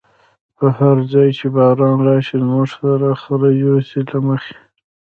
په هر ځای چی باران راشی، زمونږ خره یوسی له مخی